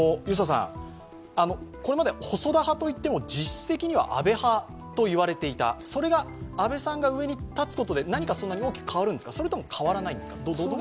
これまで細田派といっても、実質的には安倍派と言われていた、それが安倍さんが上に立つことで、何かそんなに大きく変わるんですか、それとも変わらないんですか？